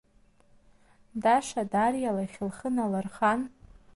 Даша Дариа лахь лхы налырхан…